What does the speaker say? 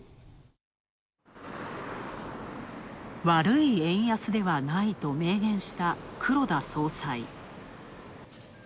悪い円安ではないと明言した黒田総裁。